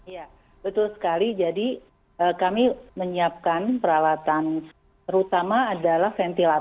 ya betul sekali jadi kami menyiapkan peralatan terutama adalah ventilator